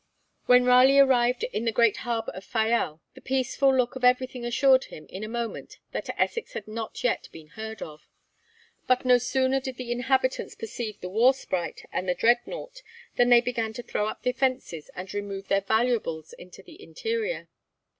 When Raleigh arrived in the great harbour of Fayal, the peaceful look of everything assured him in a moment that Essex had not yet been heard of. But no sooner did the inhabitants perceive the 'War Sprite' and the 'Dreadnought,' than they began to throw up defences and remove their valuables into the interior.